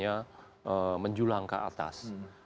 yang sifatnya menjulang ke atas